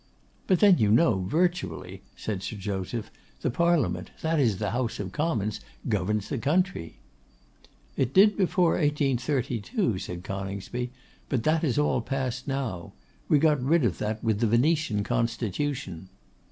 'But then you know virtually,' said Sir Joseph, 'the Parliament, that is, the House of Commons, governs the country.' 'It did before 1832,' said Coningsby; 'but that is all past now. We got rid of that with the Venetian Constitution.